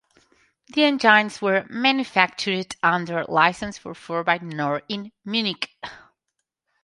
The engines were manufactured under license for Ford by Knorr in Munich.